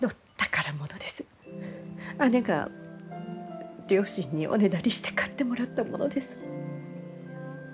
姉が両親におねだりして買ってもらったものです。